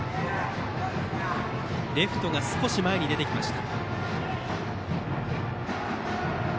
レフトが少し前に出てきました。